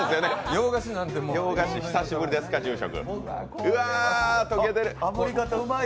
洋菓子久しぶりですか住職。